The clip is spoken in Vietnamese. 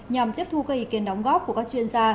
nhằm tiếp thu gây ý kiến đóng góp của các chuyên gia